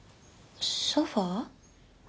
ソファー？